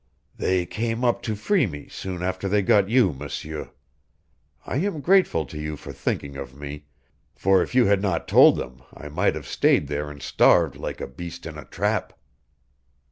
"They came up to free me soon after they got you, M'seur. I am grateful to you for thinking of me, for if you had not told them I might have stayed there and starved like a beast in a trap."